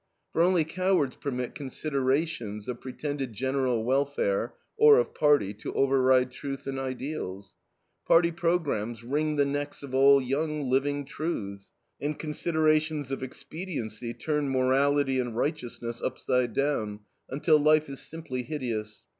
For only cowards permit "considerations" of pretended general welfare or of party to override truth and ideals. "Party programmes wring the necks of all young, living truths; and considerations of expediency turn morality and righteousness upside down, until life is simply hideous."